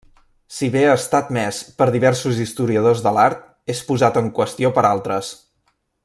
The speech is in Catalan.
Si bé està admès per diversos historiadors de l'art, és posat en qüestió per altres.